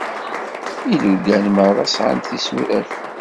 Ilugan merra sɛan tisuraf.